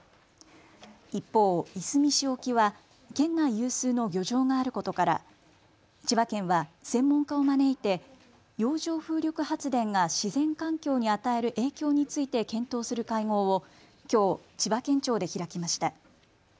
一方、いすみ市沖は県内有数の漁場があることから千葉県は専門家を招いて洋上風力発電が自然環境に与える影響について検討する会合をきょう千葉県庁で開きました。